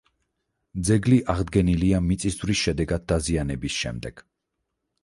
ძეგლი აღდგენილია მიწისძვრის შედეგად დაზიანების შემდეგ.